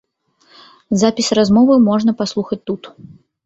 Запіс размовы можна паслухаць тут.